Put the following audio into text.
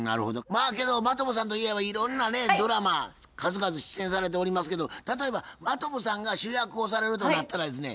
まあけど真飛さんといえばいろんなねドラマ数々出演されておりますけど例えば真飛さんが主役をされるとなったらですね